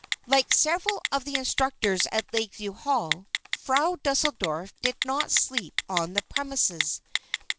Like several of the instructors at Lakeview Hall, Frau Deuseldorf did not sleep on the premises.